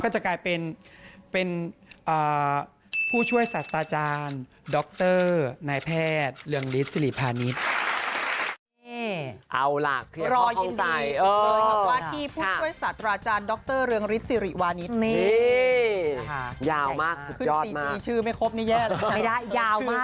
จะกลายเป็นผู้ช่วยศาสตราจารย์ดรนายแพทย์เรืองฤทธิสิริพาณิชย์